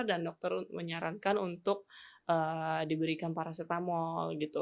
dan dokter menyarankan untuk diberikan paracetamol gitu